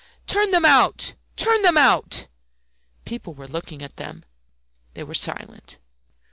"Turn them out! turn them out!" People were looking at them. They were silent.